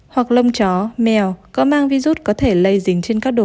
hoặc lông chó mèo có mang virus có thể lây dính trên các vật nuôi